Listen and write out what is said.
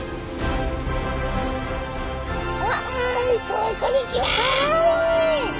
こんにちは。